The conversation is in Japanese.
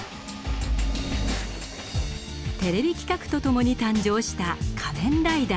テレビ企画と共に誕生した「仮面ライダー」。